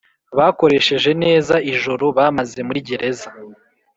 Bakoresheje neza ijoro bamaze muri gereza